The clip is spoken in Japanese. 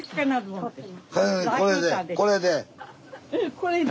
これで？